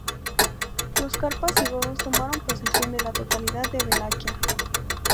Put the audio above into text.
Los carpas y godos tomaron posesión de la totalidad de Valaquia.